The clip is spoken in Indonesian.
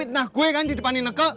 lu fitnah gue kan di depan ineke